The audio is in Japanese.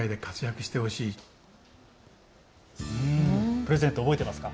プレゼント、覚えてますか。